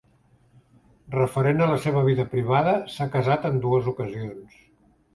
Referent a la seva vida privada s'ha casat en dues ocasions.